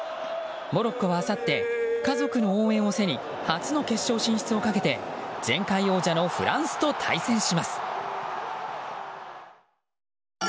モロッコはあさって家族の応援を背に初の決勝進出をかけて前回王者のフランスと対戦します。